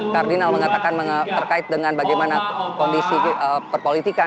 kardinal mengatakan terkait dengan bagaimana kondisi perpolitikan